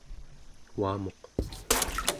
uamuq